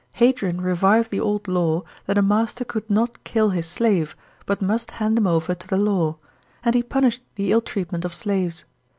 Hadrian revived the old law, that a master could not kill his slave, but must hand him over to the law; and he punished the ill treatment of slaves.